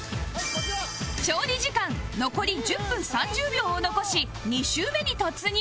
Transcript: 調理時間残り１０分３０秒を残し２周目に突入